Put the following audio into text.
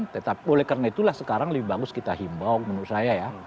tetapi oleh karena itulah sekarang lebih bagus kita himbau menurut saya ya